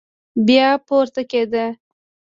بيا پورته کېده.